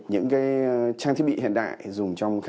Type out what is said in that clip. những trang thiết bị hiện đại dùng trong khám